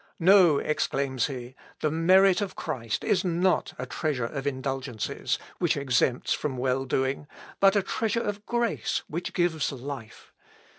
"No," exclaims he, "the merit of Christ is not a treasure of indulgences, which exempts from well doing; but a treasure of grace, which gives life.